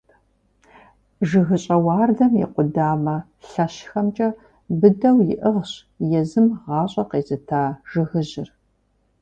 ЖыгыщӀэ уардэм и къудамэ лъэщхэмкӀэ быдэу иӀыгъщ езым гъащӀэ къезыта жыгыжьыр.